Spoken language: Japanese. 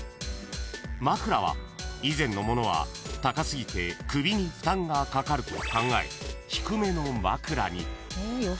［枕は以前のものは高すぎて首に負担がかかると考え低めの枕に］